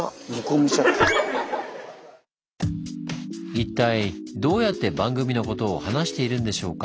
一体どうやって番組のことを話しているんでしょうか。